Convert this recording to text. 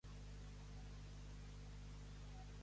Ànec mort sense haver-hi hagut espeternec.